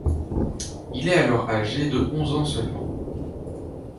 Il est alors âgé de onze ans seulement.